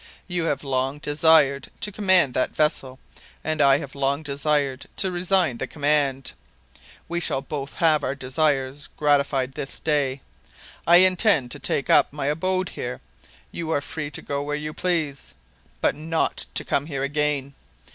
You have long desired to command that vessel, and I have long desired to resign the command. We shall both have our desires gratified this day. I intend to take up my abode here; you are free to go where you please but not to come here again.